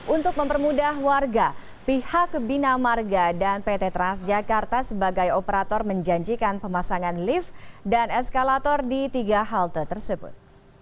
untuk mempermudah warga pihak bina marga dan pt transjakarta sebagai operator menjanjikan pemasangan lift dan eskalator di tiga halte tersebut